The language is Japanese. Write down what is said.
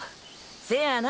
せやな！！